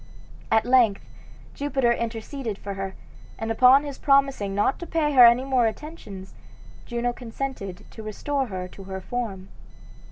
At length Jupiter interceded for her, and upon his promising not to pay her any more attentions Juno consented to restore her to her form.